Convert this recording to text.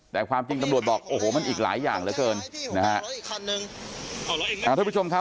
แต่ความจริงตำรวจบอกโอ้โหมันอีกหลายอย่างเหลือเกินนะฮะ